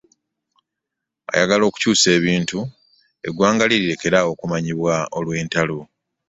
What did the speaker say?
Ayagala kukyusa ebintu eggwanga lye lirekere okumanyibwa olw'entalo